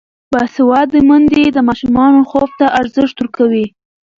باسواده میندې د ماشومانو خوب ته ارزښت ورکوي.